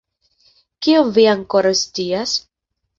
Kion vi ankoraŭ scias?